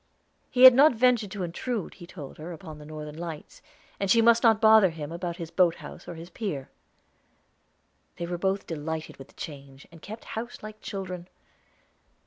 He had not ventured to intrude, he told her, upon the Northern Lights, and she must not bother him about his boat house or his pier. They were both delighted with the change, and kept house like children.